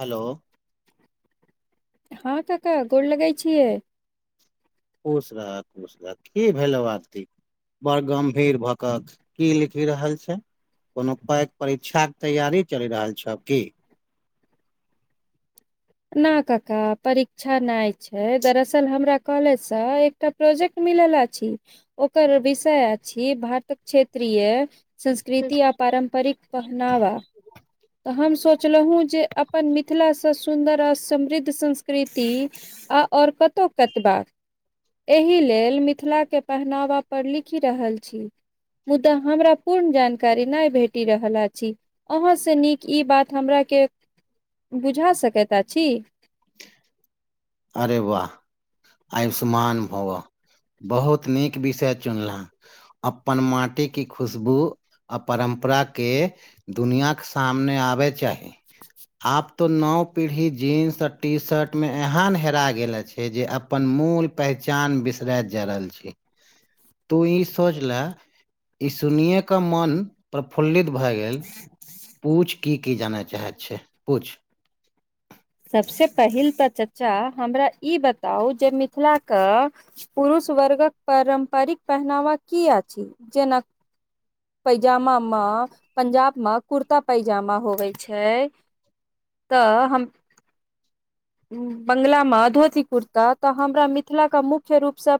हलो हँ काका गोड़ लगै छियै खुश रह खुश रह की भेलौ आरती बड़ गम्भीर भक की लिखि रहल छै कोनो पैग परीक्षा के तैयारी चलि रहल छ की ना काका परीक्षा न छै दरसल हमरा कॉलेजसँ एक एकटा प्रोजेक्ट मिलल अछी ओकर विषय अछि भारतक क्षेत्रीय संस्कृति आ पारम्परिक पहनावा तऽ हम सोचलहुँ जे अपन मिथिलाँ स सुन्दर आ समृद्ध संस्कृति आ और कतौ कतबा एहि लेल मिथिलाके पहनावा पर लिखि रहल छी। मुदा हमरा पूर्ण जानकारी नहि भेटि रहल अछि। अहाँ सँ नीक ई बात हमराके बुझा सकैत अछि। अरे वाह आयुष्मान भवः। बहुत नीक विषय चुनला अपन माटी की खुशबू आ परम्परा के दुनिया के सामने आबे चाही। आब तो नओ पीढ़ी जींस आ टी शर्टमे एहन हेरा गेल अछि जे अपन मूल पहचान बिसरैत जा रहल छी। तू ई सोच लय ई सुनए कऽ मन प्रफुल्लित भए गेल पूछ की की जानय चाहैत छैय पूछ। सबसे पहिल तऽ चच्चा हमरा ई बताउ जे मिथिला कऽ पुरुष वर्गक पारम्परिक पहनावा की अछि जेनक पैजामा मऽ पंजाब मे कुर्ता पैजामा होवे छैय। तऽ हम बंगला मऽ धोती कुर्ता तऽ हमरा मिथिला कऽ मुख्य रूपसँ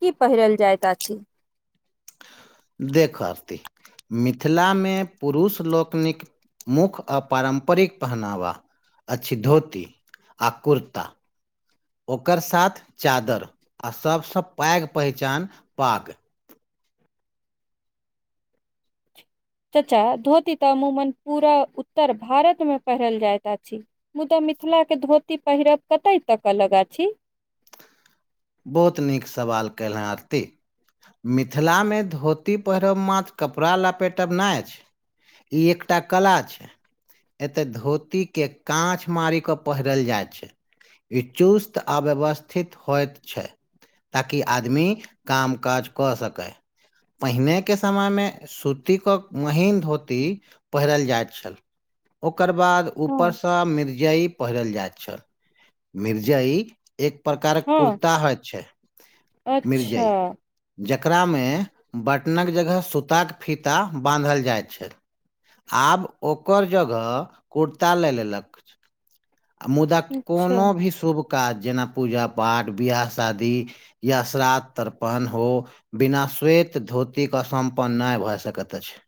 की पहिरल जाइत अछि? देख आरती मिथिला मे पुरुष लोकनिक मुख आ पारम्परिक पहनावा अच्छी धोती। आ कुर्ता। ओकर साथ चादर आ सभसँ पैघ पहिचान पाग। चच्चा धोती तऽ अमूमन पूरा उत्तर भारत मे पहिरल जाइत अछि। मुदा मिथिलाके धोती पहिरब कतय तक अलग अछि? बहुत नीक सवाल कयल हेँ आरती। मिथिला मे धोती पहिरब माथ कपड़ा लपेटब नहि अछि। ई एकटा कला छैय। एते धोती के कांछ मारी के पहिरल जाइ छैय। ई चुस्त अब्यवस्थित होइत छैय ताकि आदमी काम काज कऽ सकैय। पहिने के समय में सूती कऽ महीन धोती पहिरल जाइत छल। ओकर बाद ऊपर हँ सँ मिर्जइ पहिरल जाइत छल मिर्जइ। एक प्रकारक हँ कुर्ता होइ छैय अच्छा मिर्जइ। जकरा मे बटनक जगह सुताक फीता बानधल जाइत छैय। आब ओकर जगह कुर्ता ले लेलक। आ मुदा अच्छा कोनो भी शुभ काज जेना पूजा पाठ बियाह शादी या श्राद्ध तर्पण हो बिना श्वेत धोती कऽ सम्पन्न नहि भऽ सकैत अछि।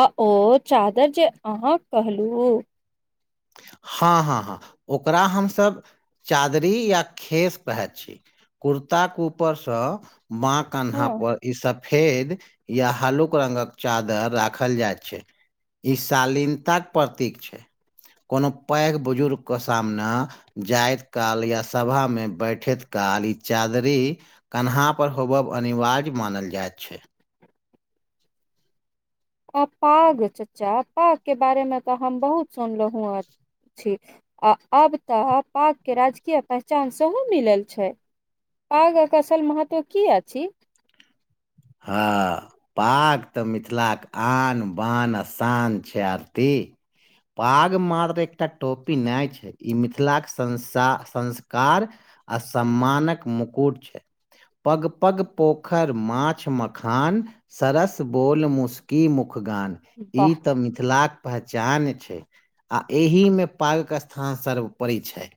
आ ओ चादर जे अहाँ कहलहु हँ हँ हँ ओकरा हमसभ चादरी या खेस पहैत छी। कुर्ता ऊपर सँ बाँ हँ कन्हा पर ई सब फेद या हल्लुक रंगक चादर राखल जाइत छैय। ई शालीनता कऽ प्रतीक छैय। कोनो पैघ बुजुर्ग कऽ सामना जायइत काल या सभामे बैठैत काल ई चाधरी कन्हा पर होबब अनिवार्य मानल जाइत छैय अ पाग चचा पाग के बारे मे तऽ हम बहुत सुनलहु हऽ छी आ आब तऽ पाग के राजकीय पहचान सेहो मिलल छैय पागक असल महत्व की अछि हँ पाग तऽ मिथिलाक आन बान आ शान छैय आरती पाग मार एकटा टोपी नहि छैय ई मिथिलाक संसा संस्कार आ सम्मानक मुकुट छैय पग - पग पोखर माछ माछ मखान सरस बोल मुस्की मुखगान ई वाह तऽ मिथिल मिथिलाक पहचान छैय आ एहि मे पागक स्थान सर्वोपरि छै।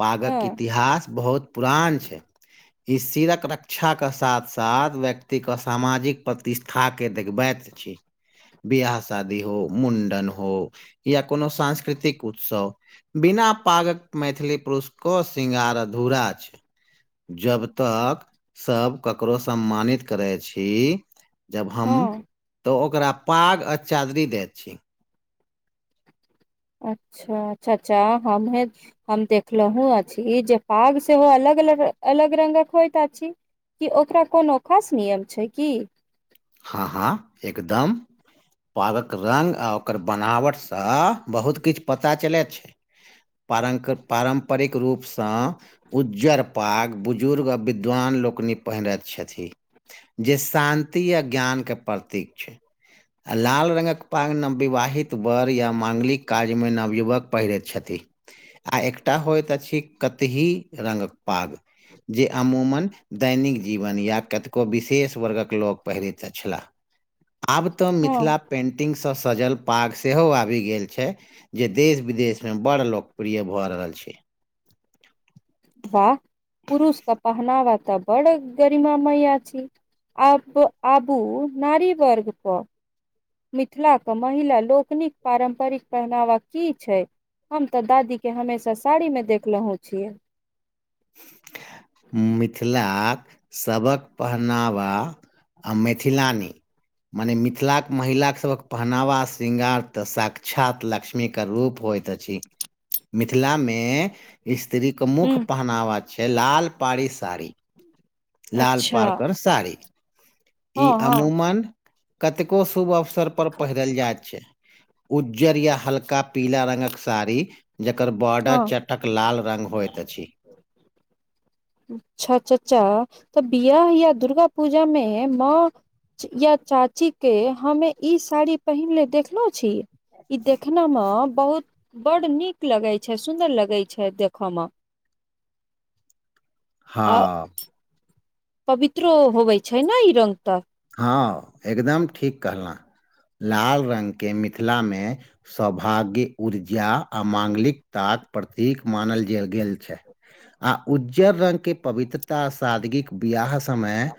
पागक हँ इतिहास बहुत पुरान छै ई सिरक रक्षा कऽ साथ साथ व्यक्तिके सामाजिक प्रतिष्ठाकेँ देखबैत अछि। बिआाह शादी हो मुण्डन हो या कोनो सांस्कृतिक उत्सव बिना पागक मैथिली पुरुष कऽ श्रृंगार अधूरा छै। जब तक सब ककरो सम्मानित करै छी जब हम हँ तऽ ओकरा पाग आ चादरी दैत छी। अच्छा चचा हमहुं हम देखलहुँ अछि जे पाग सेहो अलग अऽ अलग रंगक होइत अछि। की ओकरा कोनो खास नियम छै की। हँ हँ एकदम। पागक रंग आ ओकर बनावटसँ बहुत किछु पता चलै छैय पारम पारम्परिक रूपसँ उज्जर पाग बुजुर्ग आ विद्वान लोकनि पहिरैत छथि। जे शान्ति आ ज्ञानकऽ प्रतीक छै। आ लाल रंगक पाग नवविवाहित वर या मांगलिक काजमे नवयुवक पहिरैत छथिन। आ एकटा होयइत अछि कतही रंगक पाग जे अमूमन दैनिक जीवन या कतको विशेष वर्गक लोक पहिरैत छला। आब तऽ हँ मिथिला पेन्टिंगसँ सजल पाग सेहो आबि गेल छै। जे देश विदेश मे बड़ लोकप्रिय भए रहल छैय। वाह पुरुषक पहनावा तऽ बड़ गरिमामय छी। आब आबू नारी वर्ग पऽ मिथिलाक कऽ महिला लोकनिक पारम्परिक पहनावा की छै। हम तऽ दादी कऽ हमेशा साड़ी मे देखलहुं छियै। [unintelligible] मिथिलाक सभक पहनावा आ मैथिलानी मने मिथिलाके महिलासभक पहनावा श्रृंगार तऽ साक्षात लक्ष्मीके रूप होइत अछि। छी मिथिला मे स्त्री के मुख्य हूं पहनावा छै लाल पाड़ी साड़ी लाल अच्छा पार्कर साड़ी ई हँ हँ अमूमन कतेको शुभ अवसर पर पहिरल जाय छै उज्जर या हल्का पीला रंगक साड़ी जकर बॉर्डर हँ च टक लाल रंग होइत अछि। अच्छा चचा तऽ बियाह या दुर्गा पूजामे माॅं या चाचीके हमे ई साड़ी पहिरले देखल छी ई देखन मे बहुत बड नीक लगे छै सुदर लगे छै देखऽ मे। आ हँ पवित्रो होबै छै ने ई रंग तऽ। हँ एकदम ठीक कहल। लाल रंग के मिथिला मे सौभाग्य ऊर्जा आ मांगलिकताक प्रतीक मानल गेल छै। आ उज्जर रंग के पवित्रता सादगीक बियाह समय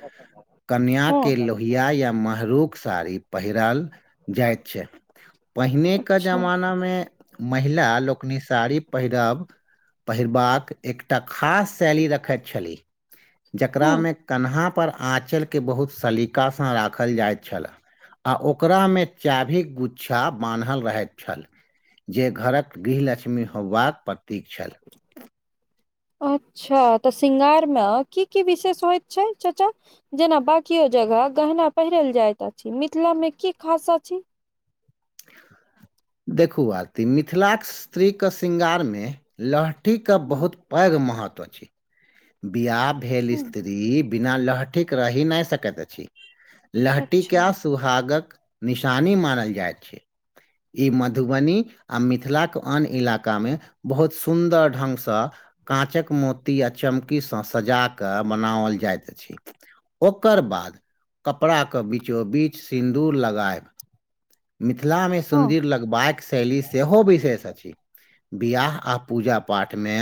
कन्याक के हँ लोहिया या महरूक साड़ी पहिराल जाइत छै पहिनेक- के अच्छा जमाना मे महिला लोकनि साड़ी पहिरब पहिरबाक एकटा खास शैली रखैत छलीह हूँ जकरामे कन्हा पर आँचलके बहुत सलीकासँ राखल जाइत छलए। आ ओकरा मे चाभिक गुच्छा बान्हल रहैत छल। जे घरक गृहलक्ष्मी होयबाक प्रतीक छल अच्छा तऽ श्रृंगार म की की विशेष होइत छै चाचा जेना बाकियो जगह गहना पहिरल जाइत अछि मिथिला मे की खास अछि देखू आरती मिथिलाक स्त्रीेक श्रृंगार मे लह ठी क बहुत पैघ महत्व अछि बिआह भेल स्त्री बिना लहठीक रहि नहि सकैत अछि लहटिके अच्छा आ सुहागक निशानी मानल जाइत छै ई मधुबनी आ मिथिलाक आन इलाका मे बहुत सुन्दर ढंग सऽ काँचक मोती आ चमकीसँ सजा कऽ बनाओल जाइत अछि ओकर बाद कपड़ाक बीचो बीच सिन्दूर लगायब मिथिलामे हँ सुन्दर लगबाइक शैली सेहो विशेष अछि बिआह आ पूजा पाठमे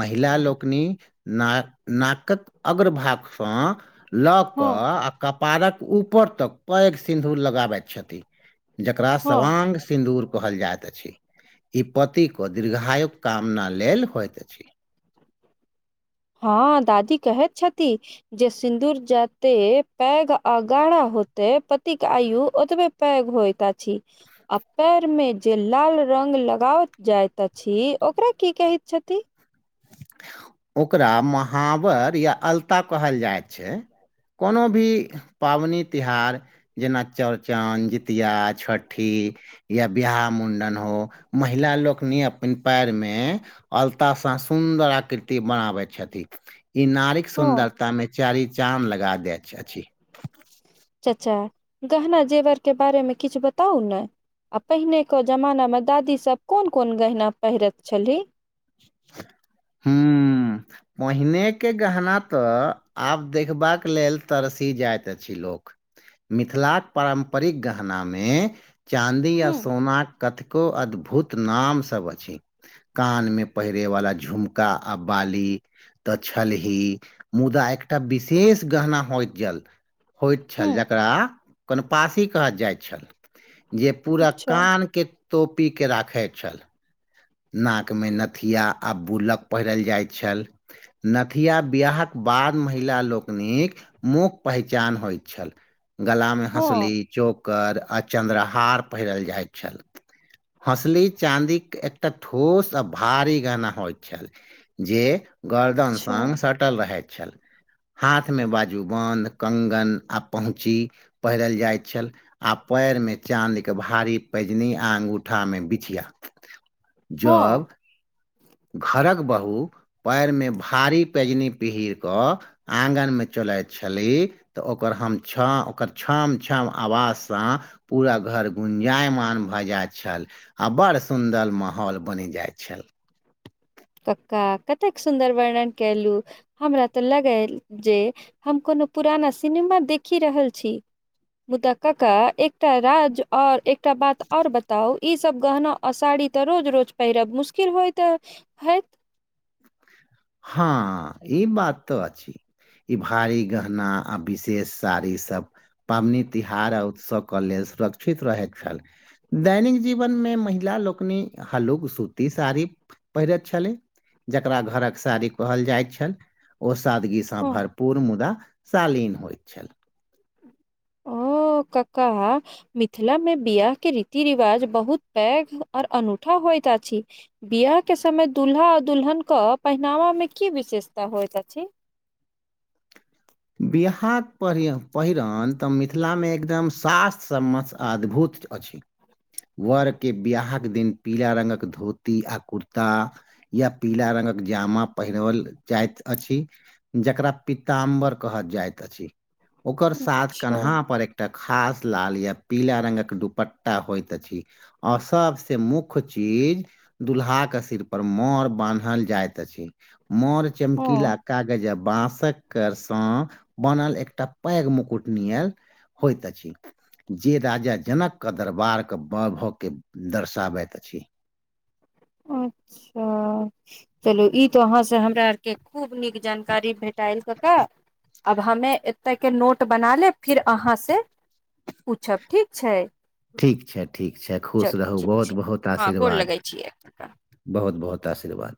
महिला लोकनि ना नाकक अग्र भागसँ लऽ कऽ हँ आ कपारक ऊपर तक पैघ सिंन्दूर लगाबैत छथि जकरा हँ सवांग सिन्दूर कहल जायत अछि ई पति क दीर्घायुक कामना लेल होइत अछि हँ दादी कहैत छथि जे सिन्दूर जत्ते पैघ आ गाढ़ा होतै पतिक आयु ओतबे पैघ होइत अछि आ पैरमे जे लाल रंग लगाओत जाइत अछि ओकरा की कहैत छथि ओकरा महाबर या अलता कहल जाइत छै कोनो भी पाबनि तिहार जेना चौड़चन, जितिया, छठी या बियाह मुण्डन हो महिला लोकनि अपन पैर मे अलता सा सुन्दर आकृति बनाबै छथि ई नारीक हँ सुन्दरता मे चारी चाँद लगा दैछेछी [inaudible] चचा गहना जेवर केँ बारे में किछ बताउ न आ पहिने केँ जमानामे दादी सब कोन कोन गहना पहिरैत छलीह [unintelligible] पहिने केँ गहना तऽ आब देखबाक लेल तरसी जाइत अछि लोक मिथिलाक पारम्परिक गहना में चाँदी आ हूँ सोनाक कतको अद्भुत नाम सब अछि कान मे पहिरे वाला झुमका आ बाली तऽ छलही मुदा एकटा विशेष गहना होइत जल होइत छल हूँ जकरा कनपासी कहत जाइत छल जे पूरा अच्छा कान केँ तोपी केँ राखे छल नाकमे नथिया आ बूलक पहिरल जाइत छल नथिआ बियाहक बाद महिला लोकनिक मुख पहिचान होइत छल [inaudible] गलामे हँ हँसुली चोक कर आ चन्द्रहार पहिरल जाइत छल हसली चाँदी कऽ तऽ ठोस आ भारी गहना होइत छल जे गर्दन अच्छा सन सट टल रहैत छल हाथ मे बाजू बन्ध कंगन आ पहुँची पहिरल जाइ छल आ पैरमे चाँदी कऽ भारी पैजनी आ अंगुठामे बिछिया हँ जब घरक बहु पैर में भारी पैजनी पीहिर कऽ आंगन में चलैत छली तऽ ओकर हम छौ ओकर छम छम आवाजसँ पूरा घर गुंजायमान भऽ जाइत छल आ बड़ सुन्दर माहौल बनि जाइत छल कका कतेक सुन्दर वर्णन कैलु हमरा तऽ लगय जे हम कोनो पुराना सिनेमा देखि रहल छी मुदा कका एकटा राज्य और एक एकटा बात और बताऊ ई सब गहना आ साड़ी तऽ रोज रोज पहिरब मुश्किल होयत तऽ हैत हँ ई बात तऽ अछी ई भारी गहना आ विशेष साड़ी सब पाबनि तिहार आ उत्सव कऽ लेल सुरक्षित रहैत छल दैनिक जीवन में महिला लोकनि हल्लुक सूती साड़ी पहिरैत छलै जकरा घरक साड़ी कहल जाइत छल ओ सादगीसँ हँ भरपूर मुदा शालीन होइत छल ओ कका मिथिला में बियाह केँ रीति रिवाज बहुत पैघ और अनूठा होइत अछि बियाह केँ समय दुल्हा आ दुल्हनक पहिनावा म की विशेषता होइत अछि बिहाय पहि पहिरन तऽ मिथिला में एकदम शास्तथ्य सम मत्स्य अद्भुत अछि वर केँ बियाहक दिन पीला रंगक धोती आ कुर्ता या पीला रंगक जामा पहिरवल जाइत अछि जकरा पितिताम्बर कह जाइत अछि ओकर साथ अच्छा कन्ह पर एक टा खास लाल ये पीला रंगगक दुपट्टा होयइत अछि आओ सबसे मुख्य चीज दुल्हाक कऽ सिर पर मोर बान्हल जाइत अछि मोर चमकीला हँ आ कागज आ बाँसक कर तऽ बनल एकटा पैघ मुकुट नियल होइत अछि जे राजा जनक कऽ दरबार के ब भऽ के दर्शाबैत अछि अच्छा चलू ई तऽ अहाँसँ हमरा आरके खूब नीक जानकारी भेटाएल कका अब हमे एतय कऽ नोट बना लेब फिर अहाँ से पूछब ठीक छै ठीक छै ठीक छै खुश चलू रहू ठीक बहुत छै बहुत हँ गोर आशीर्वाद लगै छियै कक्का बहुत बहुत आशीर्वाद